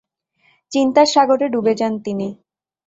চিন্তার সাগরে ডুবে যান তিনি।